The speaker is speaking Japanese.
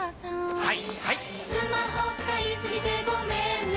はい。